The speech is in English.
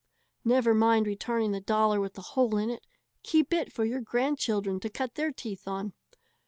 Never mind returning the dollar with the hole in it keep it for your grandchildren to cut their teeth on.